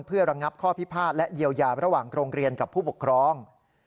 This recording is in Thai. เพื่อระงับข้อพิพาทและเยียวยาระหว่างโรงเรียนกับผู้ปกครอง